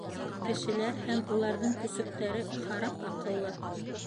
— Кешеләр һәм уларҙың көсөктәре харап аҡыллы.